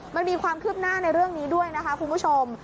มันมีความคืบหน้าในเรื่องนี้ด้วยนะคะคุณผู้ชม